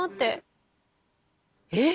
えっ？